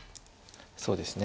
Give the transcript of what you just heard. そうですね